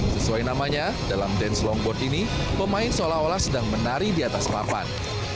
sesuai namanya dalam dance longboard ini pemain seolah olah sedang menari di atas papan